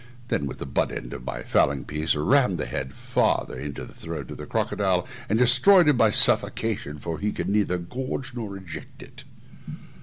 I then, with the butt end of my fowling piece, rammed the head farther into the throat of the crocodile, and destroyed him by suffocation, for he could neither gorge nor eject it.